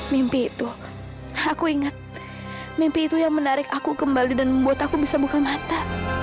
mimpi itu aku ingat mimpi itu yang menarik aku kembali dan membuat aku bisa buka mata